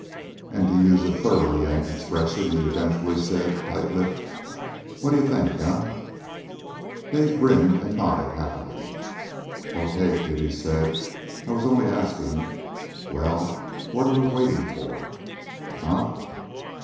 "And to use a thoroughly Yank expression," he eventually said, tight lipped, "what do you think, eh?" Dave grinned, and nodded happily. "Okay, kid," he said, "I was only asking. Well what are we waiting for, huh?"